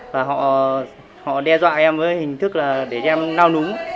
và họ đe dọa em với hình thức là để em nao núng